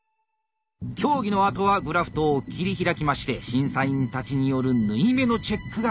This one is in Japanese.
競技のあとはグラフトを切り開きまして審査員たちによる縫い目のチェックが始まります。